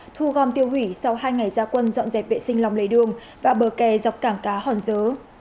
thu gom tiêu hủy sau hai ngày gia quân dọn dẹp vệ sinh lòng lề đường và bờ kè dọc cảng cá hòn dớ